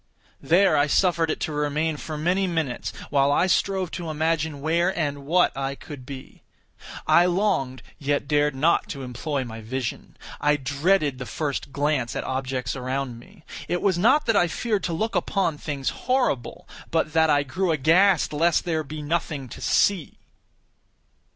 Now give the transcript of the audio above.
There I suffered it to remain for many minutes, while I strove to imagine where and what I could be. I longed, yet dared not to employ my vision. I dreaded the first glance at objects around me. It was not that I feared to look upon things horrible, but that I grew aghast lest there should be nothing to see.